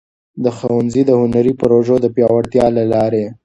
د ښونځي د هنري پروژو د پیاوړتیا له لارې.